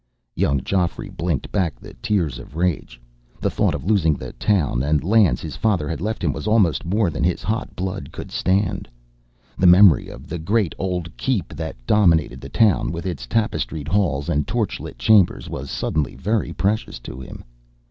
Young Geoffrey blinked back the tears of rage. The thought of losing the town and lands his father had left him was almost more than his hot blood could stand. The memory of the great old Keep that dominated the town, with its tapestried halls and torchlit chambers, was suddenly very precious to him.